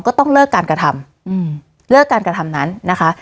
ก็ต้องเลิกการกระทำเลิกการกระทำนั้นนะคะ